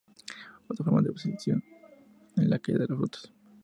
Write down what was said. Otra forma de abscisión es la caída de los frutos.